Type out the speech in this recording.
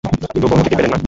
কিন্তু কোন অতিথি পেলেন না।